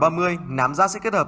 nám ra sẽ kết hợp với các loại địa tật